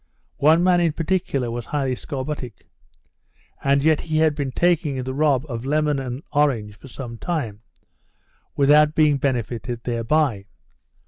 One man in particular was highly scorbutic; and yet he had been taking the rob of lemon and orange for some time, without being benefited thereby.